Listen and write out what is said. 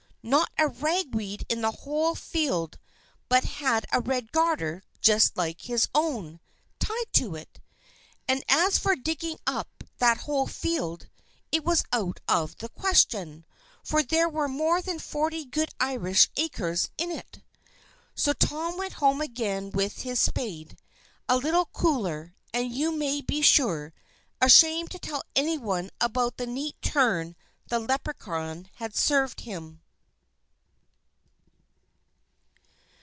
not a ragweed in the whole field but had a red garter, just like his own, tied to it! And as for digging up that whole field, it was out of the question, for there were more than forty good Irish acres in it. So Tom went home again with his spade, a little cooler, and, you may be sure, ashamed to tell any one about the neat turn the Leprechaun had served him.